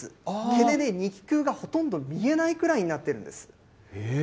毛で肉球がほとんど見えないくらいになってるんです。